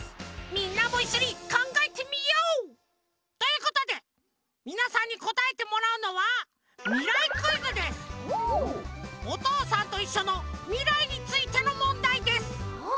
みんなもいっしょにかんがえてみよう！ということでみなさんにこたえてもらうのは「おとうさんといっしょ」のみらいについてのもんだいです。